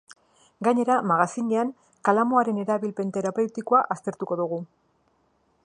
Gainera, magazinean, kalamuaren erabilpen terapeutikoa aztertuko dugu.